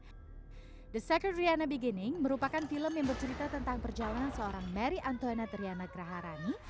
the sacred rihanna beginning merupakan film yang bercerita tentang perjalanan seorang mary antoinette rihanna graharani